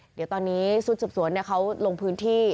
เดี๋ยวตอนนี้ชุดสืบสวนเขาลงพื้นที่